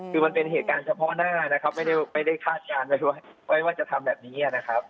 คือมันเป็นเหตุการณ์เฉพาะหน้านะครับไม่ได้คาดการณ์ไว้ว่าจะทำแบบนี้นะครับ